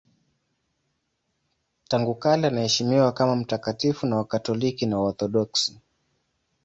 Tangu kale anaheshimiwa kama mtakatifu na Wakatoliki na Waorthodoksi.